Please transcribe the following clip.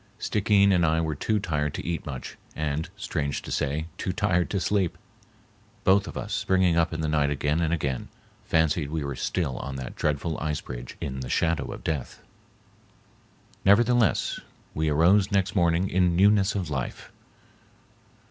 Stickeen and I were too tired to eat much, and, strange to say, too tired to sleep. Both of us, springing up in the night again and again, fancied we were still on that dreadful ice bridge in the shadow of death. Nevertheless, we arose next morning in newness of life.